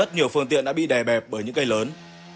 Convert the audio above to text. rất nhiều phương tiện đã bị đè bẹp bởi những cây lớn